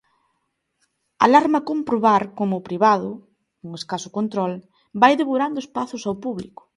Alarma comprobar como o privado, con escaso control, vai devorando espazos ao público.